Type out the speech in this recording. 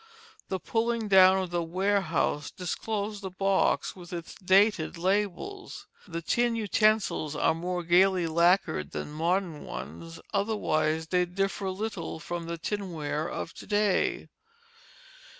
The pulling down of the warehouse disclosed the box, with its dated labels. The tin utensils are more gayly lacquered than modern ones, otherwise they differ little from the tinware of to day.